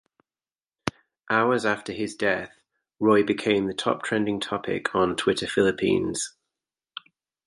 Hours after his death, Roy became the top trending topic on Twitter Philippines.